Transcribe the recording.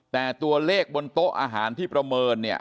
แต่ตัวเลขบนโต๊ะอาหารที่ประเมินเนี่ย